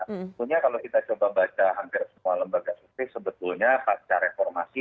sebetulnya kalau kita coba baca hampir semua lembaga sebetulnya pada reformasi